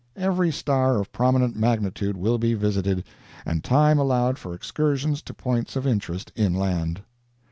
Every star of prominent magnitude will be visited, and time allowed for excursions to points of interest inland.